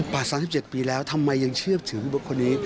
ป่า๓๗ปีแล้วทำไมยังเชื่อถึงพี่เบิร์ดคนนี้